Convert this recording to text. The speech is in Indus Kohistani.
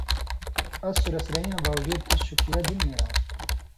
اَس سُرسیۡرَیں یاں باوجود)، تُس شُکھریہ گِن نېراں تھہ؟